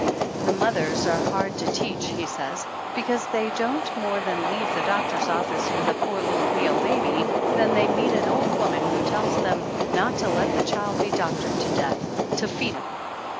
The mothers are hard to teach, he says, be cause they don't more than leave the doctor's office with a poor little pale baby than they meet 36 THE ANNALS OF ANN an old woman who tells them not to let the child be doctored to death, to "feed 'im."